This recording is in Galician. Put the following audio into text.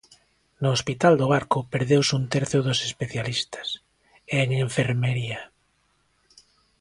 No Hospital do Barco perdeuse un terzo dos especialistas, e en enfermería.